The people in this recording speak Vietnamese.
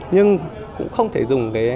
nhưng cũng không thể dùng